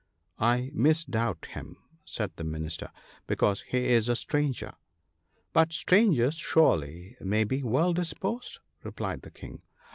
" I misdoubt him," said the Minister, " because he is a stranger." " But strangers surely may be well disposed," replied the King.